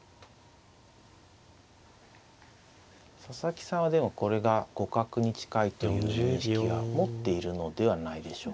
佐々木さんはでもこれが互角に近いという認識は持っているのではないでしょうか。